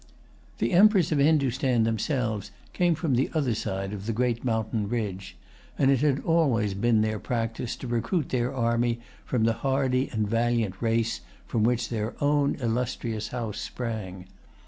The Emperors of Hindostan themselves came from the other side of the great mountain ridge; and it had always been their practice to recruit their army from the hardy and valiant race from which their own illustrious house sprang.